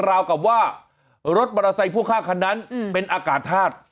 ราวกับว่ารถมอเตอร์ไซค์พ่วงข้างคันนั้นเป็นอากาศธาตุ